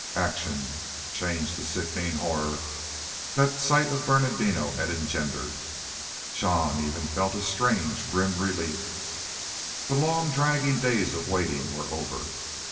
Action changed the sickening horror that sight of Bernardino had engendered. Jean even felt a strange, grim relief. The long, dragging days of waiting were over.